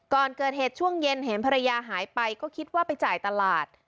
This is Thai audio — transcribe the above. ก่อนเกิดเหตุช่วงเย็นเห็นภรรยาหายไปก็คิดว่าไปจ่ายตลาด